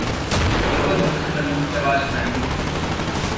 उनको दूर से बंदूक की आवाज़ सुनाई दी।